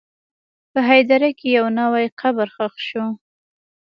په هدیره کې یو نوی قبر ښخ شو.